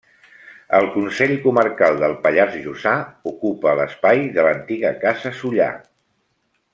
El Consell Comarcal del Pallars Jussà ocupa l'espai de l'antiga Casa Sullà.